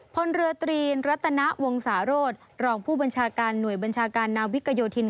พลเรือตรีนรัตนวงศาโรธรองผู้บัญชาการหน่วยบัญชาการนาวิกโยธิน